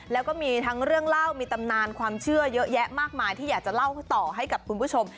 แล้วก็มีทั้งเรื่องเล่ามีตำนานความเชื่อเยอะแยะมากมายที่อยากจะเล่าต่อให้กับคุณผู้ชม